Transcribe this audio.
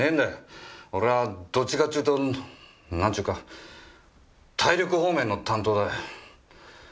俺はどっちかっちゅうとなんちゅうか体力方面の担当だよ。